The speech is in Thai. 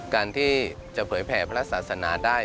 การที่จะเผยแผ่พระศาสนาได้